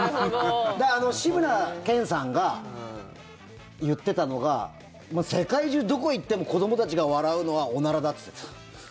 志村けんさんが言ってたのが世界中どこへ行っても子どもたちが笑うのはおならだって言ってた。